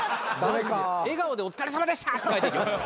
笑顔でお疲れさまでしたって帰っていきました。